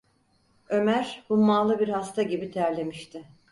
Ömer hummalı bir hasta gibi terlemişti.